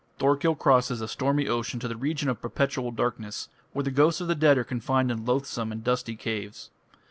Thorkill crosses a stormy ocean to the region of perpetual darkness, where the ghosts of the dead are confined in loathsome and dusty caves.